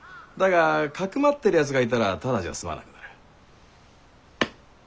だがかくまってるやつがいたらただじゃ済まなくなる。